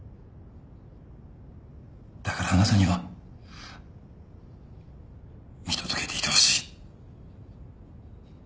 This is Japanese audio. だからあなたには見届けていてほしい。